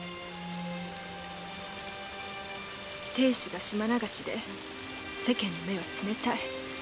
亭主が島流しで世間の目は冷たい。